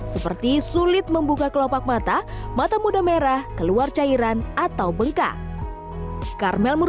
seperti sulit membuka kelopak mata mata muda merah keluar cairan atau bengkak